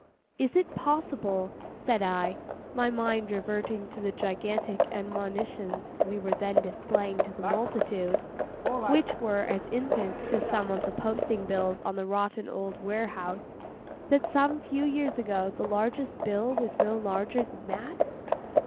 'Is it possible,' said I, my mind reverting to the gigantic admonitions we were then displaying to the multitude—which were as infants to some of the posting bills on the rotten old warehouse—'that some few years ago the largest bill was no larger than that?